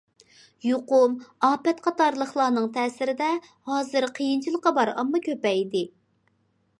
يۇقۇم، ئاپەت قاتارلىقلارنىڭ تەسىرىدە، ھازىر قىيىنچىلىقى بار ئامما كۆپەيدى.